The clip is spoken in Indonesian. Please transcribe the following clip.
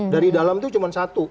dari dalam itu cuma satu